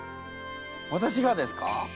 私がですか！？